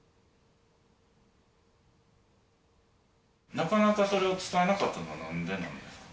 なかなかそれを伝えなかったのはなんでなんですか？